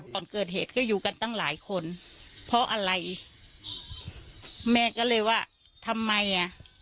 ก่อนเกิดเหตุก็อยู่กันตั้งหลายคนเพราะอะไรแม่ก็เลยว่าทำไมอ่ะ